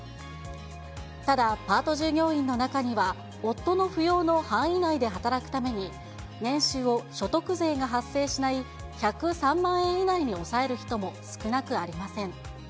ただ、パート従業員の中には、夫の扶養の範囲内で働くために、年収を所得税が発生しない１０３万円以内に抑える人も少なくありません。